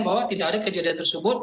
bahwa tidak ada kejadian tersebut